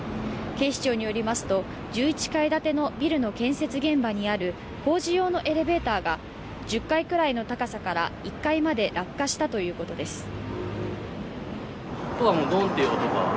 警視庁によりますと、１１階建てビルの建設現場にある工事用のエレベーターが１０階くらいの高さから１階まで落下したということです。